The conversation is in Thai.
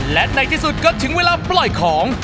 และในที่สุดก็ถึงเวลาปล่อยของ